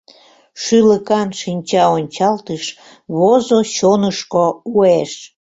Шӱлыкан шинчаончалтыш Возо чонышко уэш.